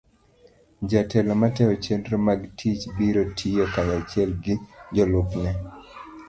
jatelo matayo chenro mag tich biro tiyo kanyachiel gi jalupne.